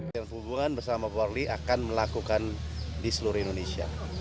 perhubungan bersama poli akan melakukan di seluruh indonesia